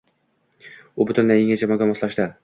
U butunlay yangi jamoaga moslashdi